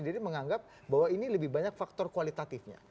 diri menganggap bahwa ini lebih banyak faktor kualitatifnya